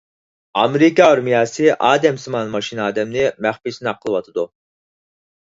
ئامېرىكا ئارمىيەسى ئادەمسىمان ماشىنا ئادەمنى مەخپىي سىناق قىلىۋاتىدۇ.